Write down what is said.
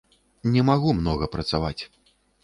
Не магу многа працаваць.